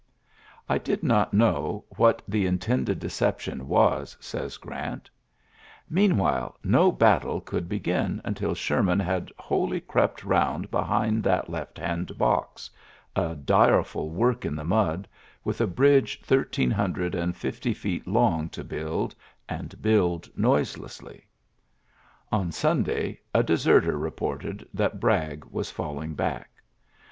'' did not know what the intended d( tion was,'' says Grant. Meanwhil battle could begin until Sherman wholly crept round behind that hand box — a direful work in the i with a bridge thirteen hundred and feet long to build, and build noiselc On Sunday a deserter reported Bragg was MLing back.